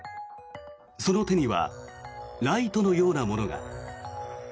その手にはライトのようなものが。